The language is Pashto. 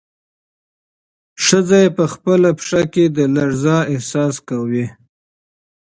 ښځه په خپله پښه کې د لړزې احساس کوي.